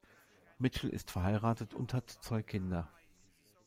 Mitchell ist verheiratet und hat zwei Kinder.